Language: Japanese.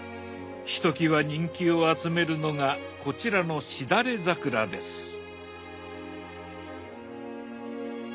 ひときわ人気を集めるのがこちらのしだれ桜です。